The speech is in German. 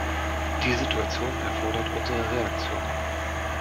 Die Situation erfordert unsere Reaktion.